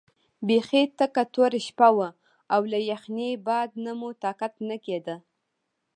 بیخي تپه توره شپه وه او له یخنۍ باد نه مو طاقت نه کېده.